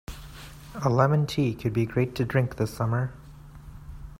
A lemon tea could be great to drink this summer.